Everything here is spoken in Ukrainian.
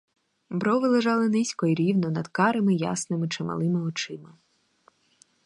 Брови лежали низько й рівно над карими ясними, чималими очима.